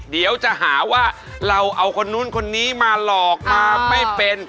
เดี๋ยวจะหาว่าเราเอาคนนู้นคนนี้มาหลอกมาไม่เป็น